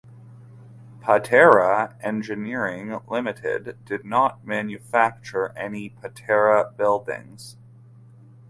Patera Engineering Ltd did not manufacture any Patera Buildings.